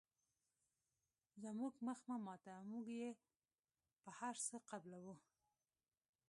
زموږ مخ مه ماتوه موږ یې په هر څه قبلوو.